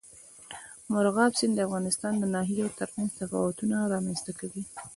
مورغاب سیند د افغانستان د ناحیو ترمنځ تفاوتونه رامنځ ته کوي.